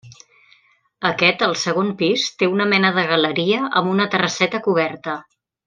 Aquest, al segon pis, té una mena de galeria amb una terrasseta coberta.